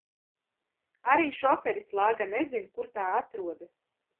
Arī šoferis lāga nezin, kur tā atrodas.